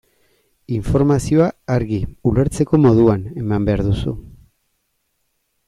Informazioa argi, ulertzeko moduan, eman behar duzu.